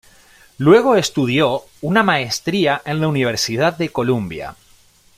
Luego estudió una maestría en la Universidad de Columbia.